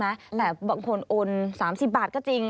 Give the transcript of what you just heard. แต่บางคนโอน๓๐บาทก็จริง